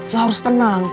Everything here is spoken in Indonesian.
lo harus tenang